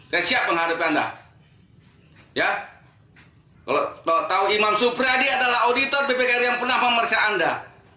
saya siap menghadapi anda ya kalau tahu imam supriyadi adalah auditor bpkri yang pernah memeriksa anda